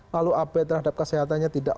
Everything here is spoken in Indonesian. lalu abe terhadap kesehatannya tidak